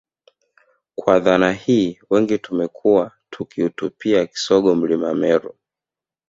Kwa dhana hii wengi tumekuwa tukiutupia kisogo Mlima Meru